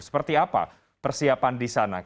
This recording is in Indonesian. seperti apa persiapan di sana